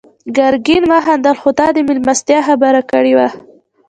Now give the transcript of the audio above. ګرګين وخندل: خو تا د مېلمستيا خبره کړې وه.